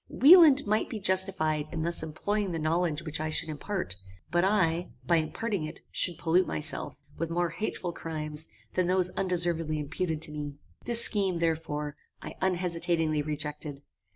Wieland might be justified in thus employing the knowledge which I should impart, but I, by imparting it, should pollute myself with more hateful crimes than those undeservedly imputed to me. This scheme, therefore, I unhesitatingly rejected.